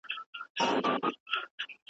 په کښتۍ کي وه سپاره یو شمېر وګړي ,